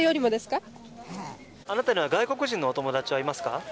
はいあなたには外国人のお友達はいますか？